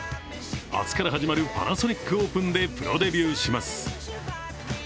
明日から始まるパナソニックオープンでプロデビューします。